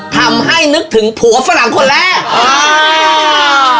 ทำให้นึกถึงผัวฝรั่งคนแรกอ่า